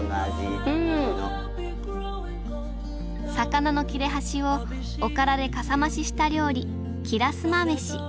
魚の切れ端をおからでかさ増しした料理きらすまめし。